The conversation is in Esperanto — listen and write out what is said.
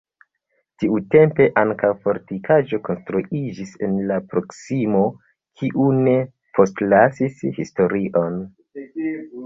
Tiutempe ankaŭ fortikaĵo konstruiĝis en la proksimo, kiu ne postlasis historion.